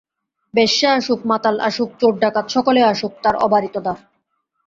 বেশ্যা আসুক, মাতাল আসুক, চোর ডাকাত সকলে আসুক তাঁর অবারিত দ্বার।